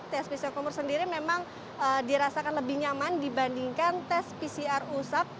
tes pcr kumur sendiri memang dirasakan lebih nyaman dibandingkan tes pcr usap